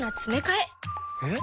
えっ？